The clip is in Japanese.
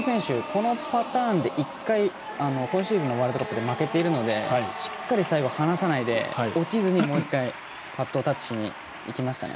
このパターンで１回今シーズンのワールドカップで負けているのでしっかり、最後離さないで落ちずにもう一回、パッドをタッチしに行きましたね。